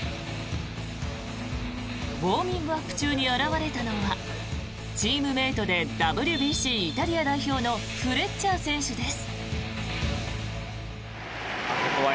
ウォーミングアップ中に現れたのはチームメートでＷＢＣイタリア代表のフレッチャー選手です。